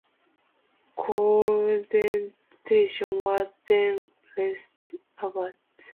Coeducation was then rather advanced.